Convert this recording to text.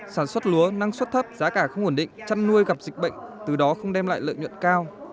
sản xuất lúa năng suất thấp giá cả không ổn định chăn nuôi gặp dịch bệnh từ đó không đem lại lợi nhuận cao